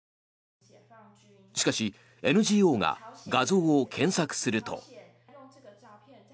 しかし、ＮＧＯが画像を検索すると。